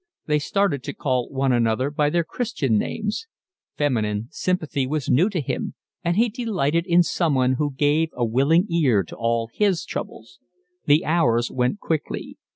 They started to call one another by their Christian names. Feminine sympathy was new to him, and he delighted in someone who gave a willing ear to all his troubles. The hours went quickly.